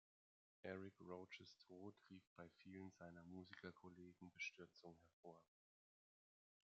Eric Roches Tod rief bei vielen seiner Musikerkollegen Bestürzung hervor.